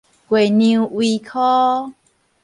月娘圍箍